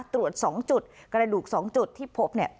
ตรวจ๒จุดกระดูก๒จุดที่พบเนี่ย